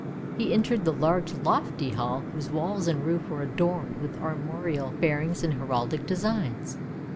He entered the large lofty hall, whose walls and roof were adorned with armorial bearings and heraldic designs.